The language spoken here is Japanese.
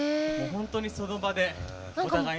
本当にその場でお互いね。